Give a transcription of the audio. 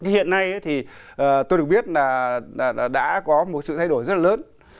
hiện nay thì tôi được biết là đã có một sự thay đổi rất lớn